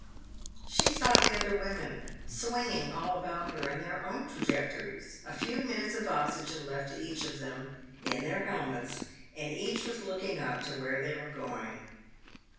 She saw the other women swinging all about her in their own trajectories, a few minutes of oxygen left to each of them in their helmets, and each was looking up to where they were going.